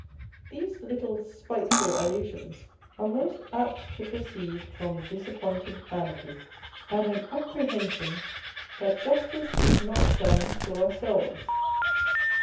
These little spiteful allusions are most apt to proceed from disappointed vanity, and an apprehension that justice is not done to ourselves.